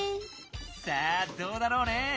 さあどうだろうね。